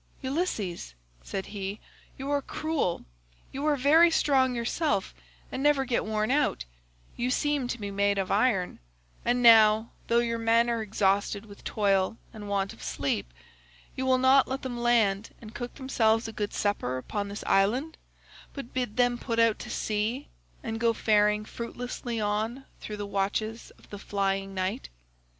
'Ulysses,' said he, 'you are cruel; you are very strong yourself and never get worn out; you seem to be made of iron, and now, though your men are exhausted with toil and want of sleep, you will not let them land and cook themselves a good supper upon this island, but bid them put out to sea and go faring fruitlessly on through the watches of the flying night.